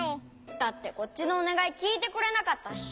だってこっちのおねがいきいてくれなかったし。